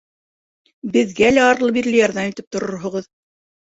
Беҙгә лә арлы-бирле ярҙам итеп торорһоғөҙ.